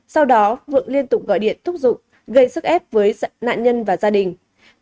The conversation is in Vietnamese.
sau đó phượng liên tục gọi điện thúc dụng gây sức ép với nạn nhân và gia đình